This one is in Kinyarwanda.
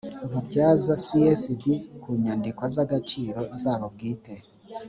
bubazwa csd ku nyandiko z agaciro zabo bwite